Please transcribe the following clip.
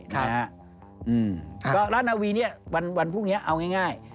ก็ร้านนาวีเนี่ยวันพรุ่งนี้เอาง่าย